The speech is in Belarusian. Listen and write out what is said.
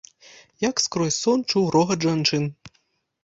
Як скрозь сон чуў рогат жанчын.